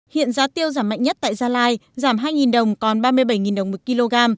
hiện giá tiêu giảm mạnh nhất tại gia lai giảm hai đồng còn ba mươi bảy đồng một kg